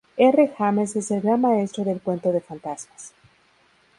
R. James es el gran maestro del cuento de fantasmas.